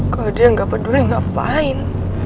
kok dia gak peduli ngapain